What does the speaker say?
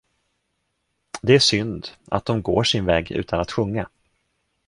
Det är synd, att de går sin väg utan att sjunga.